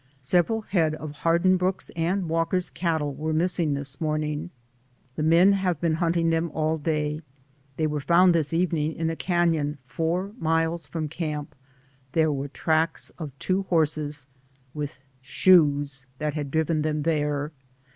Several head of Hardinbrooke's and Walk er's cattle were missing this morning; the men have been hunting them all day, they were found this evening in a canon four miles from camp; there were the tracks of two horses, with shoes, that had driven them there.